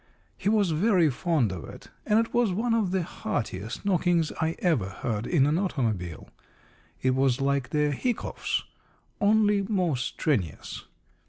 He was very fond of it, and it was one of the heartiest knockings I ever heard in an automobile. It was like the hiccoughs, only more strenuous.